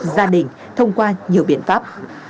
gia đình thông qua nhiều biện pháp